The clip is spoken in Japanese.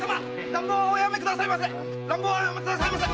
乱暴はおやめくださいませ！